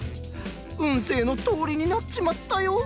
運勢のとおりになっちまったよ！